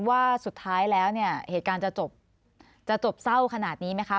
ว่าสุดท้ายแล้วเนี่ยเหตุการณ์จะจบจะจบเศร้าขนาดนี้ไหมคะ